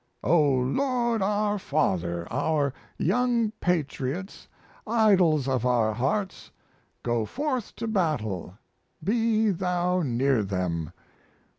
"O Lord our Father, our young patriots, idols of our hearts, go forth to battle be Thou near them!